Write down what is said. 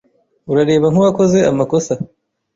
urareba nk’uwakoze amakosa